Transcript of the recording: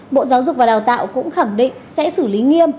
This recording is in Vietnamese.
bộ giáo dục và đào tạo cũng khẳng định sẽ xử lý nghiêm